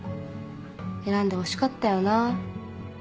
選んでほしかったよな？